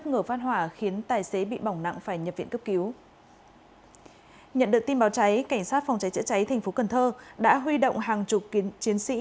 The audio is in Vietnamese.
nhận được tin báo cháy cảnh sát phòng cháy chữa cháy tp cn đã huy động hàng chục chiến sĩ